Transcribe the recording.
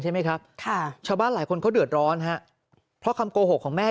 ใช่ไหมครับค่ะชาวบ้านหลายคนเขาเดือดร้อนฮะเพราะคำโกหกของแม่